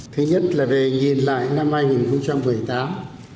thứ nhất là về nhìn lại năm hai nghìn một mươi tám